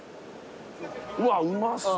うわうまそう。